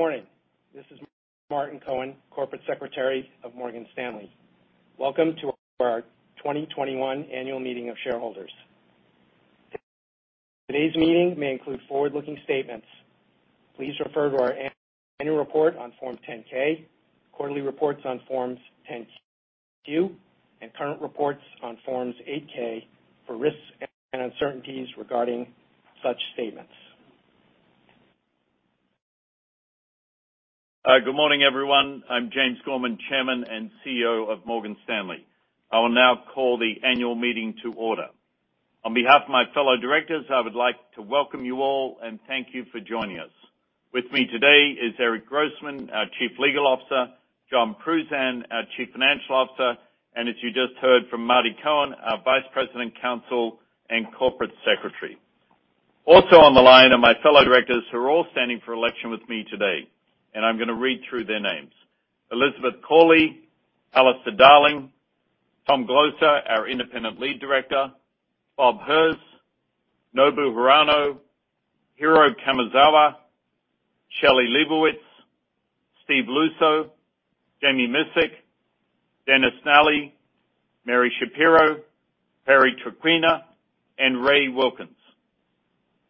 Morning. This is Martin Cohen, Corporate Secretary of Morgan Stanley. Welcome to our 2021 annual meeting of shareholders. Today's meeting may include forward-looking statements. Please refer to our annual report on Form 10-K, quarterly reports on Form 10-Q, and current reports on Form 8-K for risks and uncertainties regarding such statements. Hi. Good morning, everyone. I'm James Gorman, Chairman and CEO of Morgan Stanley. I will now call the annual meeting to order. On behalf of my fellow directors, I would like to welcome you all, and thank you for joining us. With me today is Eric Grossman, our Chief Legal Officer, Jonathan Pruzan, our Chief Financial Officer, and as you just heard from Martin Cohen, our Vice President, Counsel, and Corporate Secretary. Also on the line are my fellow directors, who are all standing for election with me today. I'm going to read through their names. Elizabeth Corley, Alistair Darling, Tom Glocer, our Independent Lead Director, Rob Herz, Nobu Hirano, Hiro Kamezawa, Shelley Leibowitz, Steve Luczo, Jami Miscik, Dennis Nally, Mary Schapiro, Perry Traquina, and Ray Wilkins.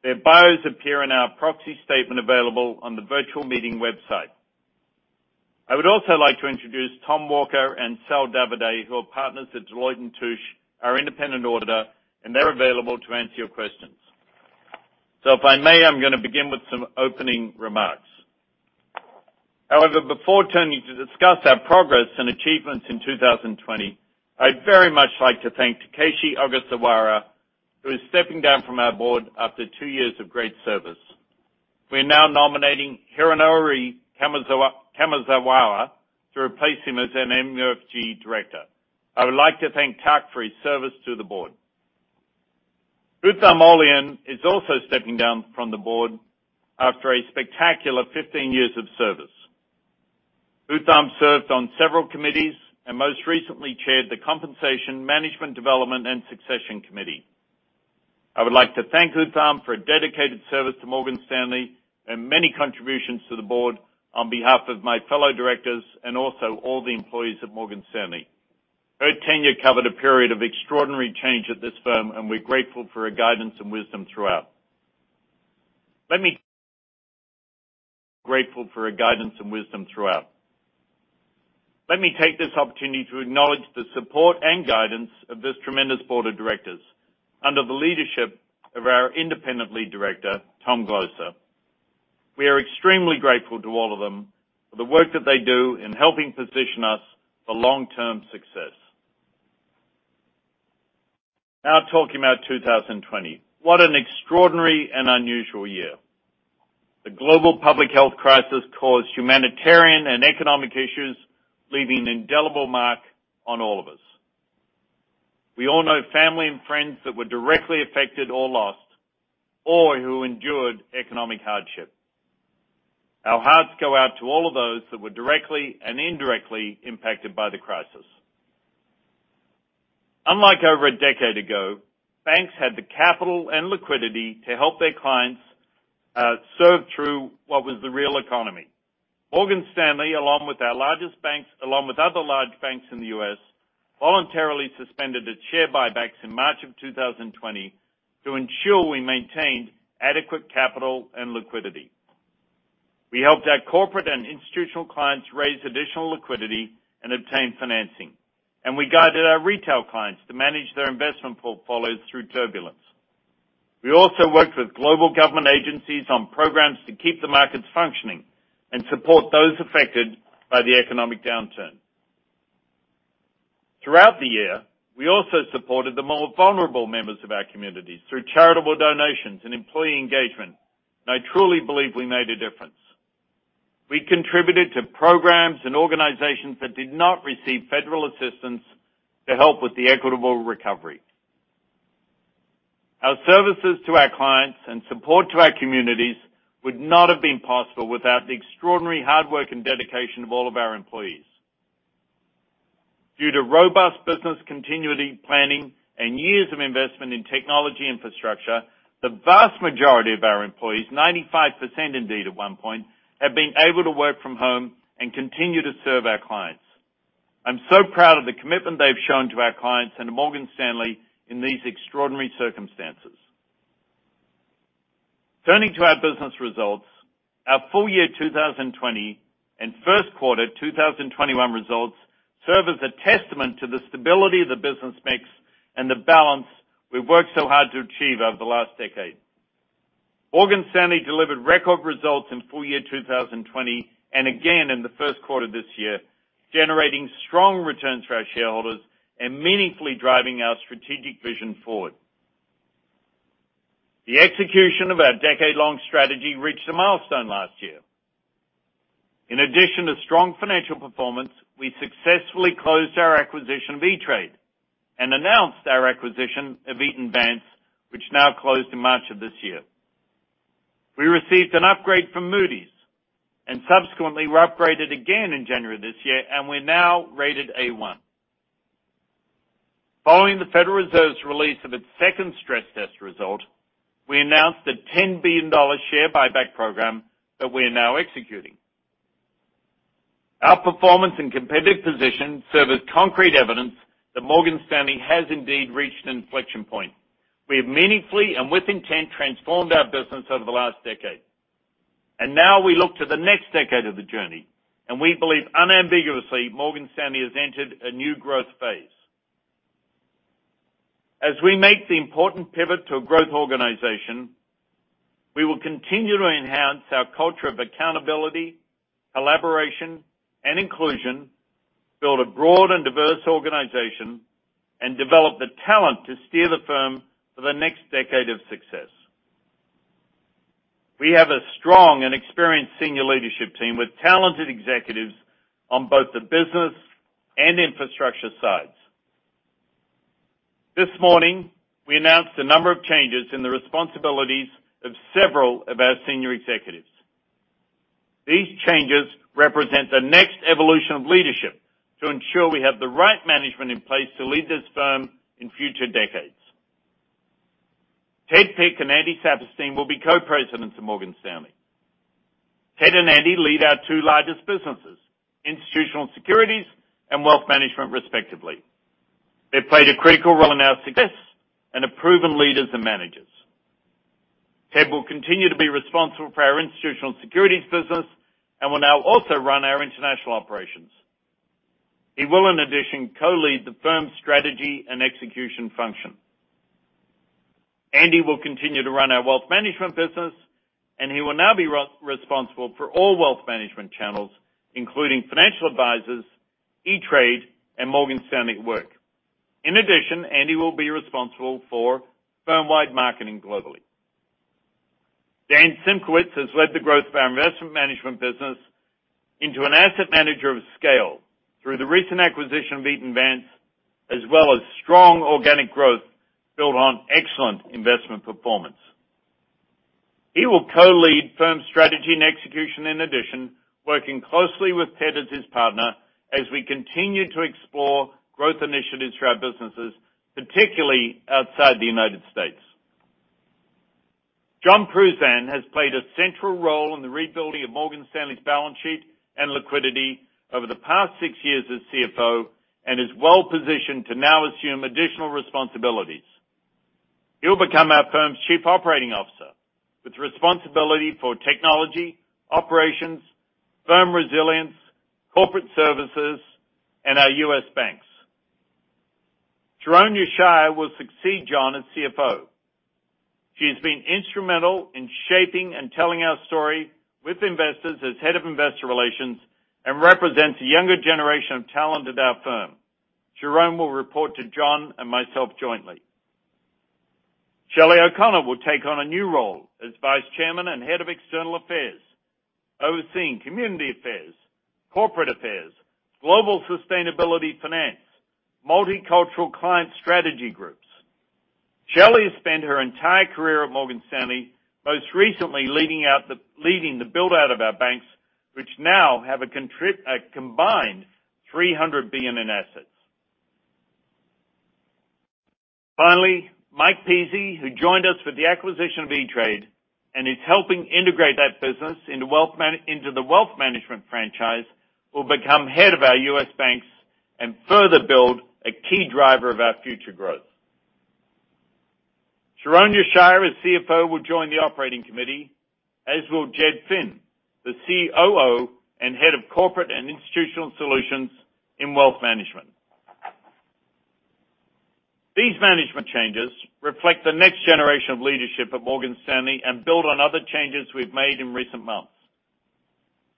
Their bios appear in our proxy statement available on the virtual meeting website. I would also like to introduce Tom Walker and Sal Davide, who are partners at Deloitte & Touche, our independent auditor, and they're available to answer your questions. If I may, I'm going to begin with some opening remarks. Before turning to discuss our progress and achievements in 2020, I'd very much like to thank Takeshi Ogasawara, who is stepping down from our board after two years of great service. We're now nominating Hironori Kamezawa to replace him as an MUFG director. I would like to thank Tak for his service to the board. Hutham Olayan is also stepping down from the board after a spectacular 15 years of service. Hutham served on several committees and most recently chaired the Compensation, Management Development, and Succession Committee. I would like to thank Hutham Olayan for a dedicated service to Morgan Stanley and many contributions to the board on behalf of my fellow directors and also all the employees at Morgan Stanley. Her tenure covered a period of extraordinary change at this firm, and we're grateful for her guidance and wisdom throughout. Let me take this opportunity to acknowledge the support and guidance of this tremendous board of directors under the leadership of our independent director, Tom Glocer. We are extremely grateful to all of them for the work that they do in helping position us for long-term success. Now talking about 2020. What an extraordinary and unusual year. The global public health crisis caused humanitarian and economic issues, leaving an indelible mark on all of us. We all know family and friends that were directly affected or lost or who endured economic hardship. Our hearts go out to all of those that were directly and indirectly impacted by the crisis. Unlike over a decade ago, banks had the capital and liquidity to help their clients serve through what was the real economy. Morgan Stanley, along with our largest banks, along with other large banks in the U.S., voluntarily suspended its share buybacks in March of 2020 to ensure we maintained adequate capital and liquidity. We helped our corporate and institutional clients raise additional liquidity and obtain financing, and we guided our retail clients to manage their investment portfolios through turbulence. We also worked with global government agencies on programs to keep the markets functioning and support those affected by the economic downturn. Throughout the year, we also supported the more vulnerable members of our communities through charitable donations and employee engagement. I truly believe we made a difference. We contributed to programs and organizations that did not receive federal assistance to help with the equitable recovery. Our services to our clients and support to our communities would not have been possible without the extraordinary hard work and dedication of all of our employees. Due to robust business continuity planning and years of investment in technology infrastructure, the vast majority of our employees, 95% indeed at one point, have been able to work from home and continue to serve our clients. I'm so proud of the commitment they've shown to our clients and to Morgan Stanley in these extraordinary circumstances. Turning to our business results, our full year 2020 and first quarter 2021 results serve as a testament to the stability of the business mix and the balance we've worked so hard to achieve over the last decade. Morgan Stanley delivered record results in full year 2020, and again in the first quarter this year, generating strong returns for our shareholders and meaningfully driving our strategic vision forward. The execution of our decade-long strategy reached a milestone last year. In addition to strong financial performance, we successfully closed our acquisition of E*TRADE and announced our acquisition of Eaton Vance, which now closed in March of this year. We received an upgrade from Moody's, and subsequently were upgraded again in January of this year, and we're now rated A1. Following the Federal Reserve's release of its second stress test result, we announced a $10 billion share buyback program that we are now executing. Our performance and competitive position serve as concrete evidence that Morgan Stanley has indeed reached an inflection point. We have meaningfully and with intent transformed our business over the last decade. Now we look to the next decade of the journey, and we believe unambiguously Morgan Stanley has entered a new growth phase. As we make the important pivot to a growth organization, we will continue to enhance our culture of accountability, collaboration, and inclusion, build a broad and diverse organization, and develop the talent to steer the firm for the next decade of success. We have a strong and experienced senior leadership team with talented executives on both the business and infrastructure sides. This morning, we announced a number of changes in the responsibilities of several of our senior executives. These changes represent the next evolution of leadership to ensure we have the right management in place to lead this firm in future decades. Ted Pick and Andy Saperstein will be Co-Presidents of Morgan Stanley. Ted and Andy lead our two largest businesses, Institutional Securities and Wealth Management respectively. They played a critical role in our success and are proven leaders and managers. Ted will continue to be responsible for our Institutional Securities business and will now also run our international operations. He will, in addition, co-lead the firm's strategy and execution function. Andy will continue to run our wealth management business, and he will now be responsible for all wealth management channels, including financial advisors, E*TRADE, and Morgan Stanley at Work. In addition, Andy will be responsible for firm-wide marketing globally. Dan Simkowitz has led the growth of our investment management business into an asset manager of scale through the recent acquisition of Eaton Vance, as well as strong organic growth built on excellent investment performance. He will co-lead firm strategy and execution in addition, working closely with Ted as his partner as we continue to explore growth initiatives for our businesses, particularly outside the United States. Jon Pruzan has played a central role in the rebuilding of Morgan Stanley's balance sheet and liquidity over the past six years as CFO and is well-positioned to now assume additional responsibilities. He will become our firm's Chief Operating Officer, with responsibility for technology, operations, firm resilience, corporate services, and our U.S. banks. Sharon Yeshaya will succeed Jon as CFO. She has been instrumental in shaping and telling our story with investors as Head of Investor Relations and represents a younger generation of talent at our firm. Sharon will report to Jon and myself jointly. Shelley O'Connor will take on a new role as Vice Chairman and Head of External Affairs, overseeing community affairs, corporate affairs, global sustainability finance, multicultural client strategy groups. Shelley has spent her entire career at Morgan Stanley, most recently leading the build-out of our banks, which now have a combined $300 billion in assets. Finally, Mike Pizzi, who joined us with the acquisition of E*TRADE and is helping integrate that business into the wealth management franchise, will become head of our U.S. banks and further build a key driver of our future growth. Sharon Yeshaya as CFO will join the operating committee, as will Jed Finn, the COO and head of corporate and institutional solutions in wealth management. These management changes reflect the next generation of leadership at Morgan Stanley and build on other changes we've made in recent months.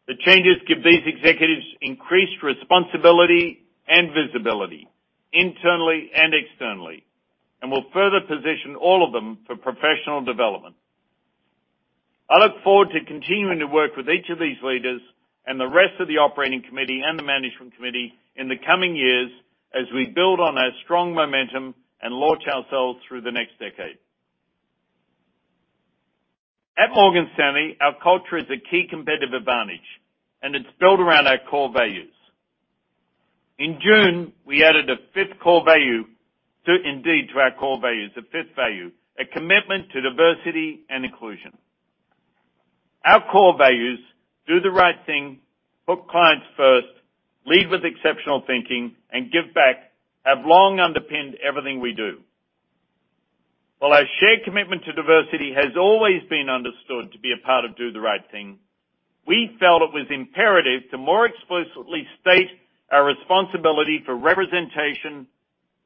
The changes give these executives increased responsibility and visibility, internally and externally, and will further position all of them for professional development. I look forward to continuing to work with each of these leaders and the rest of the operating committee and the management committee in the coming years as we build on our strong momentum and launch ourselves through the next decade. At Morgan Stanley, our culture is a key competitive advantage, and it's built around our core values. In June, we added a fifth core value, indeed to our core values, a fifth value, a commitment to diversity and inclusion. Our core values, do the right thing, put clients first, lead with exceptional thinking, and give back, have long underpinned everything we do. While our shared commitment to diversity has always been understood to be a part of do the right thing, we felt it was imperative to more explicitly state our responsibility for representation,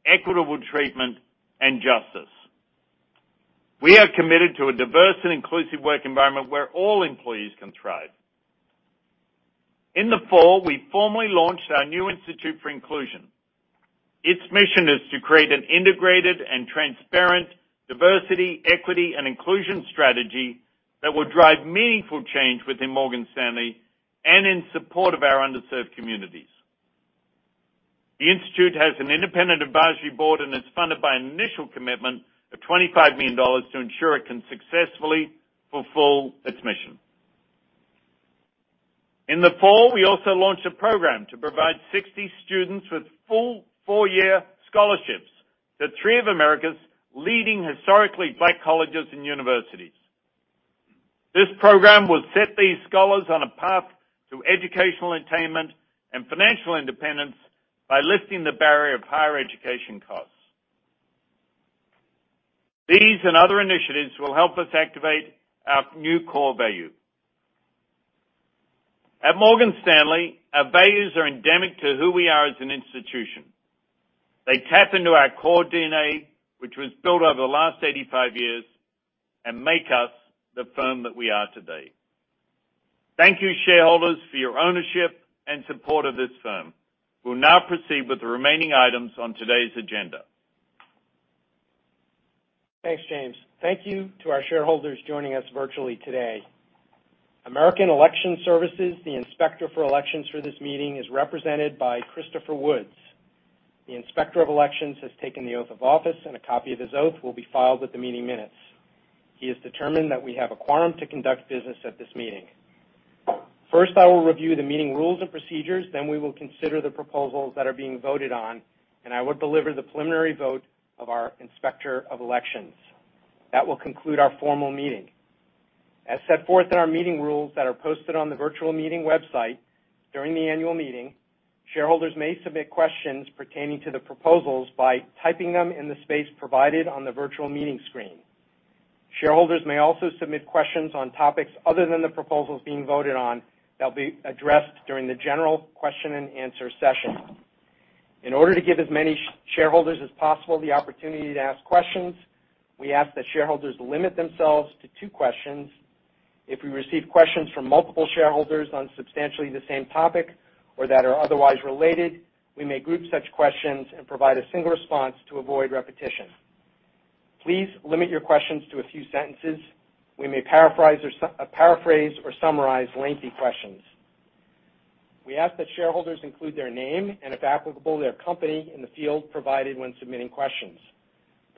equitable treatment, and justice. We are committed to a diverse and inclusive work environment where all employees can thrive. In the fall, we formally launched our new Institute for Inclusion. Its mission is to create an integrated and transparent diversity, equity, and inclusion strategy that will drive meaningful change within Morgan Stanley and in support of our underserved communities. The Institute has an independent advisory board, and it's funded by an initial commitment of $25 million to ensure it can successfully fulfill its mission. In the fall, we also launched a program to provide 60 students with full four-year scholarships to three of America's leading historically Black colleges and universities. This program will set these scholars on a path to educational attainment and financial independence by lifting the barrier of higher education costs. These and other initiatives will help us activate our new core value. At Morgan Stanley, our values are endemic to who we are as an institution. They tap into our core DNA, which was built over the last 85 years, and make us the firm that we are today. Thank you, shareholders, for your ownership and support of this firm. We'll now proceed with the remaining items on today's agenda. Thanks, James. Thank you to our shareholders joining us virtually today. American Election Services, the inspector for elections for this meeting, is represented by Christopher Woods. The Inspector of Elections has taken the oath of office and a copy of his oath will be filed with the meeting minutes. He has determined that we have a quorum to conduct business at this meeting. First, I will review the meeting rules and procedures, then we will consider the proposals that are being voted on, and I will deliver the preliminary vote of our Inspector of Elections. That will conclude our formal meeting. As set forth in our meeting rules that are posted on the virtual meeting website, during the annual meeting, shareholders may submit questions pertaining to the proposals by typing them in the space provided on the virtual meeting screen. Shareholders may also submit questions on topics other than the proposals being voted on that will be addressed during the general question and answer session. In order to give as many shareholders as possible the opportunity to ask questions, we ask that shareholders limit themselves to two questions. If we receive questions from multiple shareholders on substantially the same topic or that are otherwise related, we may group such questions and provide a single response to avoid repetition. Please limit your questions to a few sentences. We may paraphrase or summarize lengthy questions. We ask that shareholders include their name and, if applicable, their company in the field provided when submitting questions.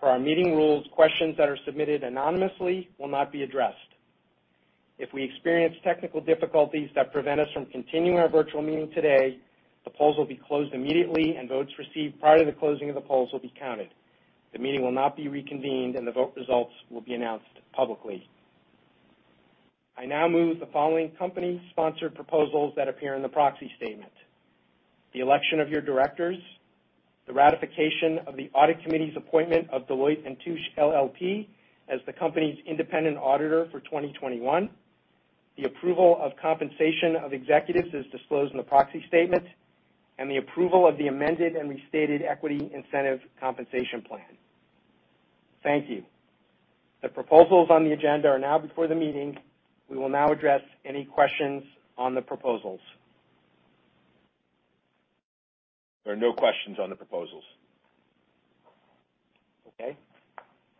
Per our meeting rules, questions that are submitted anonymously will not be addressed. If we experience technical difficulties that prevent us from continuing our virtual meeting today, the polls will be closed immediately and votes received prior to the closing of the polls will be counted. The meeting will not be reconvened and the vote results will be announced publicly. I now move the following company-sponsored proposals that appear in the proxy statement: the election of your directors, the ratification of the audit committee's appointment of Deloitte & Touche LLP as the company's independent auditor for 2021, the approval of compensation of executives as disclosed in the proxy statement, and the approval of the amended and restated equity incentive compensation plan. Thank you. The proposals on the agenda are now before the meeting. We will now address any questions on the proposals. There are no questions on the proposals. Okay.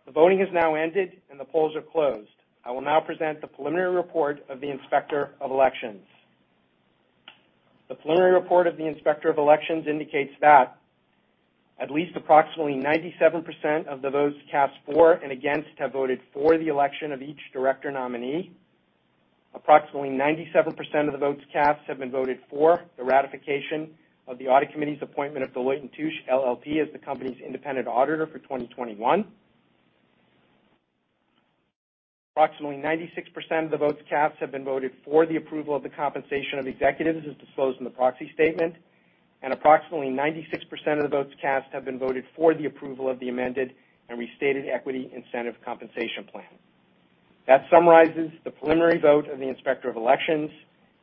The voting has now ended and the polls are closed. I will now present the preliminary report of the Inspector of Elections. The preliminary report of the Inspector of Elections indicates that at least approximately 97% of the votes cast for and against have voted for the election of each director nominee. Approximately 97% of the votes cast have been voted for the ratification of the audit committee's appointment of Deloitte & Touche LLP as the company's independent auditor for 2021. Approximately 96% of the votes cast have been voted for the approval of the compensation of executives as disclosed in the proxy statement. Approximately 96% of votes cast have been voted for the approval of the amended and restated equity incentive compensation plan. That summarizes the preliminary vote of the Inspector of Elections.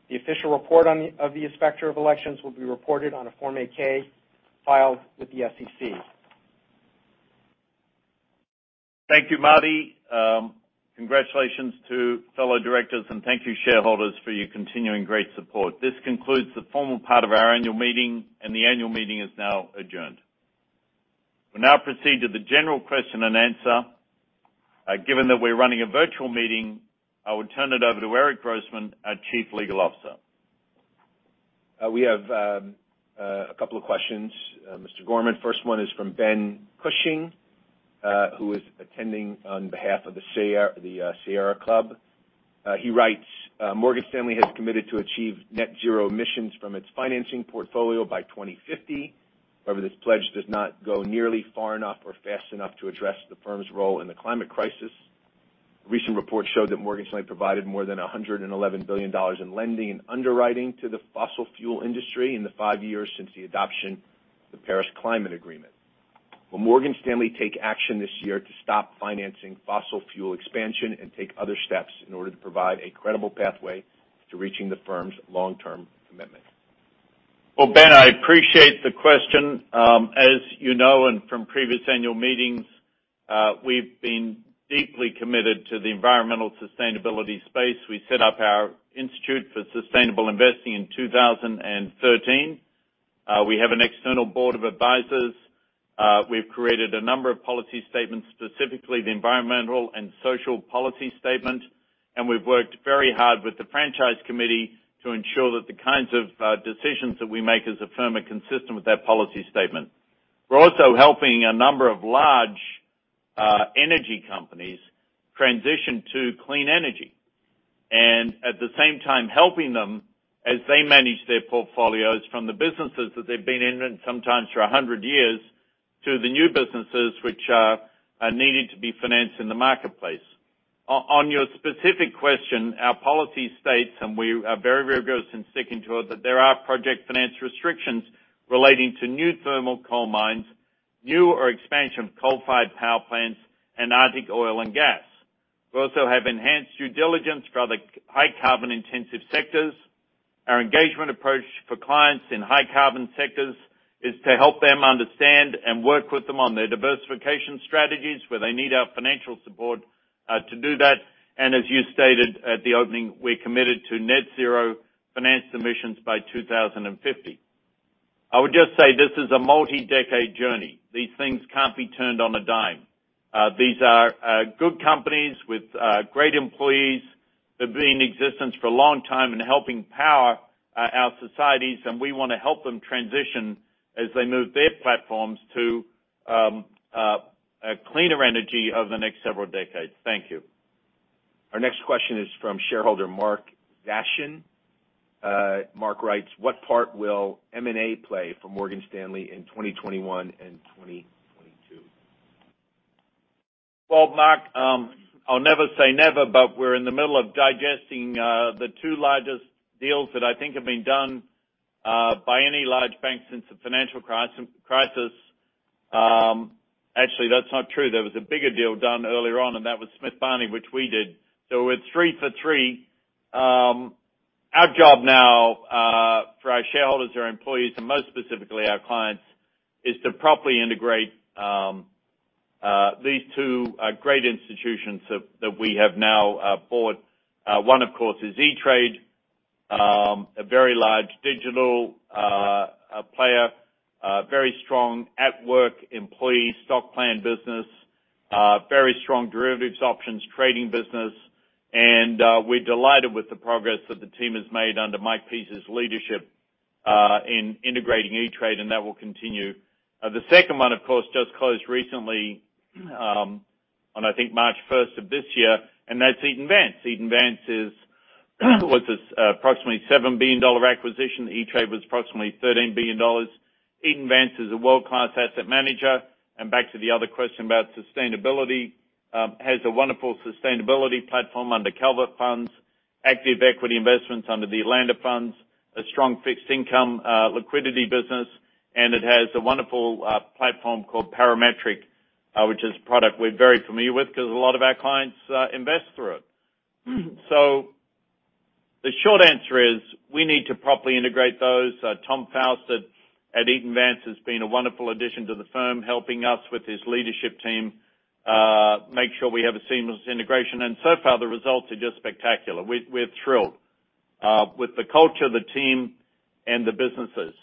The official report of the Inspector of Elections will be reported on a Form 8-K filed with the SEC. Thank you, Marty. Congratulations to fellow directors and thank you, shareholders, for your continuing great support. This concludes the formal part of our annual meeting and the annual meeting is now adjourned. We'll now proceed to the general question and answer. Given that we're running a virtual meeting, I will turn it over to Eric Grossman, our Chief Legal Officer. We have a couple of questions, Mr. Gorman. First one is from Ben Cushing, who is attending on behalf of the Sierra Club. He writes, "Morgan Stanley has committed to achieve net zero emissions from its financing portfolio by 2050. However, this pledge does not go nearly far enough or fast enough to address the firm's role in the climate crisis. A recent report showed that Morgan Stanley provided more than $111 billion in lending and underwriting to the fossil fuel industry in the five years since the adoption of the Paris Climate Agreement. Will Morgan Stanley take action this year to stop financing fossil fuel expansion and take other steps in order to provide a credible pathway to reaching the firm's long-term commitment? Well, Ben, I appreciate the question. As you know and from previous annual meetings, we've been deeply committed to the environmental sustainability space. We set up our Institute for Sustainable Investing in 2013. We have an external board of advisors. We've created a number of policy statements, specifically the environmental and social policy statement, and we've worked very hard with the franchise committee to ensure that the kinds of decisions that we make as a firm are consistent with that policy statement. We're also helping a number of large energy companies transition to clean energy, and at the same time helping them as they manage their portfolios from the businesses that they've been in, and sometimes for 100 years, to the new businesses which are needing to be financed in the marketplace. On your specific question, our policy states, and we are very rigorous in sticking to it, that there are project finance restrictions relating to new thermal coal mines, new or expansion of coal-fired power plants, and Arctic oil and gas. We also have enhanced due diligence for other high carbon intensive sectors. Our engagement approach for clients in high carbon sectors is to help them understand and work with them on their diversification strategies, where they need our financial support to do that. As you stated at the opening, we're committed to net zero financed emissions by 2050. I would just say this is a multi-decade journey. These things can't be turned on a dime. These are good companies with great employees. They've been in existence for a long time and helping power our societies, and we want to help them transition as they move their platforms to cleaner energy over the next several decades. Thank you. Our next question is from shareholder Mark Vashon. Mark writes, "What part will M&A play for Morgan Stanley in 2021 and 2022? Well, Mark, I'll never say never, but we're in the middle of digesting the two largest deals that I think have been done by any large bank since the financial crisis. Actually, that's not true. There was a bigger deal done earlier on, and that was Smith Barney, which we did. We're three for three. Our job now for our shareholders, our employees, and most specifically our clients, is to properly integrate these two great institutions that we have now bought. One, of course, is E*TRADE, a very large digital player. A very strong at work employee stock plan business. Very strong derivatives options trading business. We're delighted with the progress that the team has made under Mike Pizzi's leadership in integrating E*TRADE, and that will continue. The second one, of course, just closed recently on, I think, March 1st of this year, and that's Eaton Vance. Eaton Vance was approximately a $7 billion acquisition. E*TRADE was approximately $13 billion. Eaton Vance is a world-class asset manager, and back to the other question about sustainability, has a wonderful sustainability platform under Calvert Funds, active equity investments under the Atlanta Capital, a strong fixed income liquidity business, and it has a wonderful platform called Parametric, which is a product we're very familiar with because a lot of our clients invest through it. The short answer is we need to properly integrate those. Thomas Faust at Eaton Vance has been a wonderful addition to the firm, helping us with his leadership team make sure we have a seamless integration. So far, the results are just spectacular. We're thrilled with the culture, the team, and the businesses.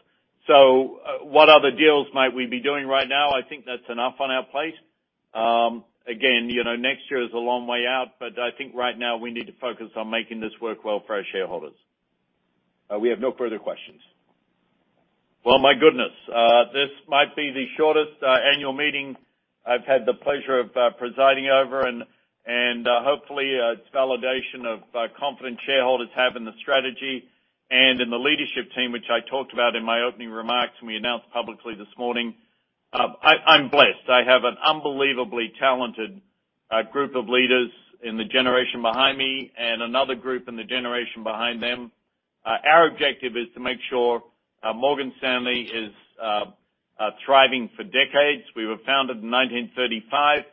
What other deals might we be doing right now? I think that's enough on our plate. Next year is a long way out, I think right now we need to focus on making this work well for our shareholders. We have no further questions. Well, my goodness. This might be the shortest annual meeting I've had the pleasure of presiding over and hopefully it's validation of confidence shareholders have in the strategy and in the leadership team, which I talked about in my opening remarks and we announced publicly this morning. I'm blessed. I have an unbelievably talented group of leaders in the generation behind me and another group in the generation behind them. Our objective is to make sure Morgan Stanley is thriving for decades. We were founded in 1935,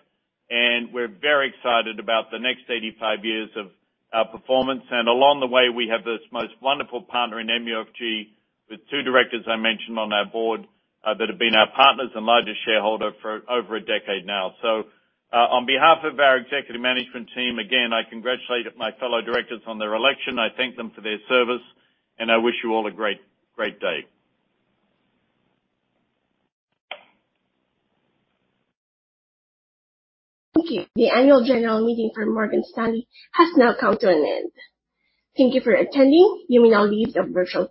and we're very excited about the next 85 years of our performance. Along the way, we have this most wonderful partner in MUFG with two directors I mentioned on our board that have been our partners and largest shareholder for over a decade now. On behalf of our executive management team, again, I congratulate my fellow directors on their election. I thank them for their service, and I wish you all a great day. Thank you. The annual general meeting for Morgan Stanley has now come to an end. Thank you for attending. You may now leave the virtual meeting.